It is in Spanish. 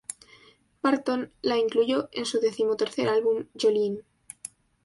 Parton la incluyó en su decimotercer álbum "Jolene".